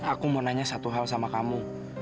aku mau nanya satu hal sama kamu